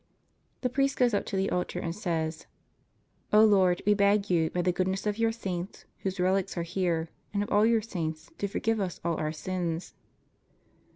The priest goes up to the altar and says: O Lord, we beg You, by the goodness of Your saints whose relics are here, and of all Your saints, to forgive us all our sins.